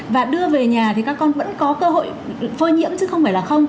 và đưa về nhà thì các con vẫn có cơ hội phơi nhiễm chứ không phải là không